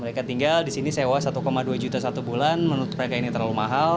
mereka tinggal di sini sewa satu dua juta satu bulan menurut mereka ini terlalu mahal